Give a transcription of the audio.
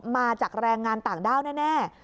มาจากแรงงานต่างด้าวแน่